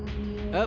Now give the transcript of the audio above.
mencari dan membunuh